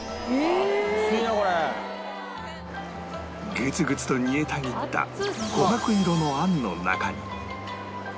グツグツと煮えたぎった琥珀色の餡の中に